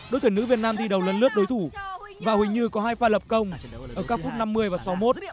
đội tuyển nữ việt nam thi đấu lấn lướt đối thủ và huỳnh như có hai pha lập công ở các phút năm mươi và sáu mươi một